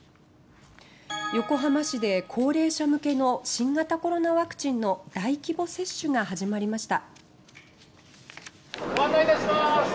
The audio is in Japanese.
横浜市で、高齢者向けの新型コロナワクチンの大規模接種が始まりました。